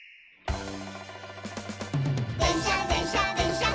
「でんしゃでんしゃでんしゃっ